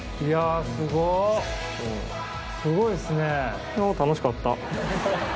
すごいっすね。